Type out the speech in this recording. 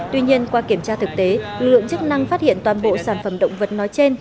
tuy nhiên qua kiểm tra thực tế lượng chức năng phát hiện toàn bộ sản phẩm động vật nói trên